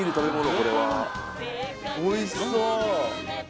これはおいしそう！